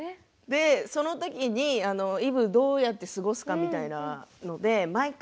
その時にイブをどうやって過ごすかみたいなので毎回